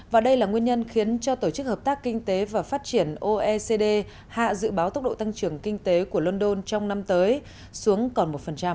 và đây là nguyên nhân khiến cho tổ chức hợp tác kinh tế và phát triển oecd hạ dự báo tốc độ tăng trưởng kinh tế của london trong năm tới xuống còn một